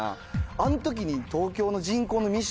あん時に。